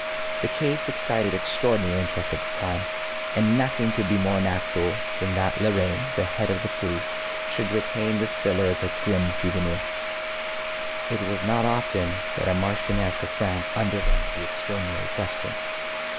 The case excited extraordinary interest at the time, and nothing could be more natural than that La Reynie, the head of the police, should retain this filler as a grim souvenir. It was not often that a marchioness of France underwent the extraordinary question.